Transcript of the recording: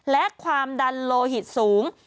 และความดันโลหิตสูง